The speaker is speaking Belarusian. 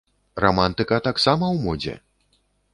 Рамантыка таксама ў модзе!